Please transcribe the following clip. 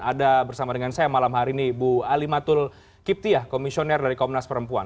ada bersama dengan saya malam hari ini bu alimatul kiptiah komisioner dari komnas perempuan